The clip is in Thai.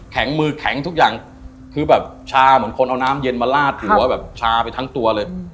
มือแข็งทุกอย่างคือแบบชาเหมือนคนเอาน้ำเย็นมาลาดหัวแบบชาไปทั้งตัวเลย